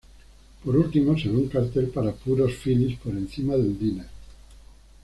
Por último, se ve un cartel para puros Phillies por encima del diner.